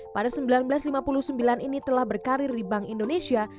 pada seribu sembilan ratus lima puluh sembilan ini telah berkarir di bank indonesia